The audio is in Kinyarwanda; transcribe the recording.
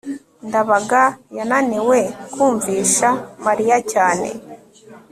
ndabaga yananiwe kumvisha mariya cyane